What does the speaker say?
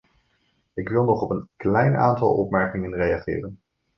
Ik wil nog op een klein aantal opmerkingen reageren.